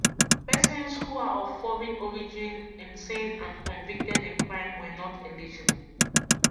Persons who are of foreign origin, insane and convicted in crime were not eligible.